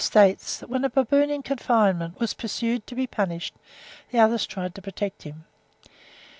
states that when a baboon in confinement was pursued to be punished, the others tried to protect him.